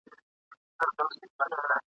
څه شي د جګړې برخلیک ته بدلون ورکړ؟